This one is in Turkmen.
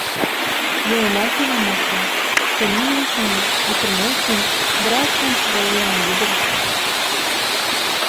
Ýöne nähilem bolsa, seniň ýumuşňy bitirmek üçin, biraz kynçylygy ýeňmelidir.